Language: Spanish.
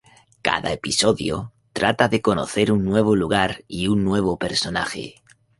Cada episodio trata de conocer un nuevo lugar y un nuevo personaje.